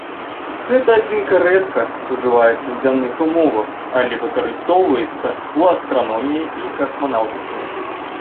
Гэта адзінка рэдка ўжываецца ў зямных умовах, але выкарыстоўваецца ў астраноміі і касманаўтыцы.